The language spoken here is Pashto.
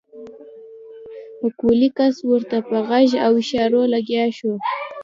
پکولي کس ورته په غږ او اشارو لګيا شو.